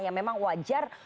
ya memang wajar